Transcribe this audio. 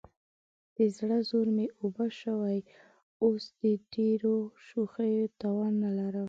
د زړه زور مې اوبه شوی، اوس دې د ډېرو شوخیو توان نه لرم.